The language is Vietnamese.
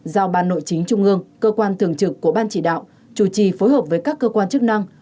giao ban nội chính trung ương cơ quan thường trực của ban chỉ đạo chủ trì phối hợp với các cơ quan chức năng